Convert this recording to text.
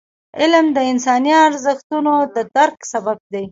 علم د انساني ارزښتونو د درک سبب دی.